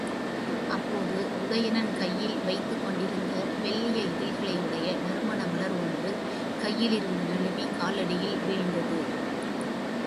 அப்போது உதயணன் கையில் வைத்துக் கொண்டிருந்த வெள்ளிய இதழ்களையுடைய நறுமண மலர் ஒன்று கையிலிருந்து நழுவிக் காலடியில் வீழ்ந்தது.